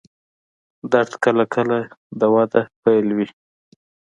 درد کله کله د وده پیل وي.